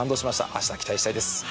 明日、期待したいです。